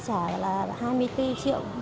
trả là hai mươi bốn triệu tám trăm linh